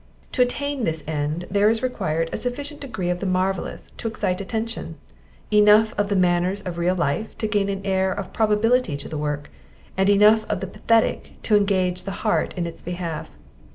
To attain this end, there is required a sufficient degree of the marvellous, to excite the attention; enough of the manners of real life, to give an air of probability to the work; and enough of the pathetic, to engage the heart in its behalf.